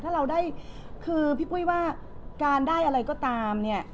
ถ้าเราได้คือพี่ปุ้ยว่าการได้อะไรก็ตามเนี่ย